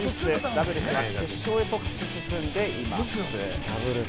ダブルスは決勝へと勝ち進んでいます。